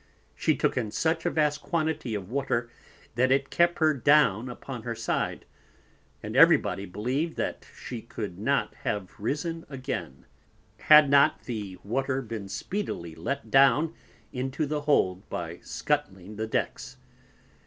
She took in such a vast quantity of Water, that it kept her down upon her side, and every Body believ'd, that she could not have risen again, had not the Water been speedily let down into the hold by scuttling the Decks.